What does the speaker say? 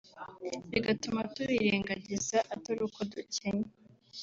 bigatuma tubirengagiza atari uko dukennye